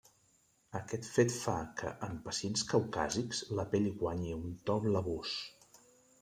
Aquest fet fa que en pacients caucàsics la pell guanyi un to blavós.